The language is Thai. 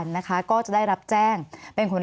มีความรู้สึกว่ามีความรู้สึกว่า